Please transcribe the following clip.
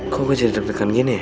kok gue jadi deg degan gini ya